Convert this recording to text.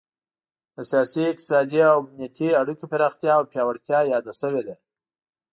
د سیاسي، اقتصادي او امنیتي اړیکو پراختیا او پیاوړتیا یاده شوې ده